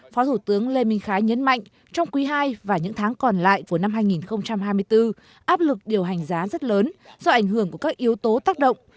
phó thủ tướng lê minh khái nhấn mạnh trong quý ii và những tháng còn lại của năm hai nghìn hai mươi bốn áp lực điều hành giá rất lớn do ảnh hưởng của các yếu tố tác động